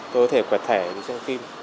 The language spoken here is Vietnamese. tôi có thể quẹt thẻ đi xem phim